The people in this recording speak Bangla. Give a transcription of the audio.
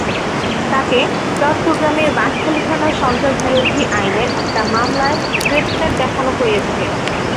তাঁকে চট্টগ্রামের বাঁশখালী থানার সন্ত্রাসবিরোধী আইনের একটি মামলায় গ্রেপ্তার দেখানো হয়েছে।